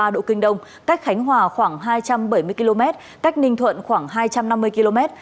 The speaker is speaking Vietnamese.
một trăm một mươi một ba độ kinh đông cách khánh hòa khoảng hai trăm bảy mươi km cách ninh thuận khoảng hai trăm năm mươi km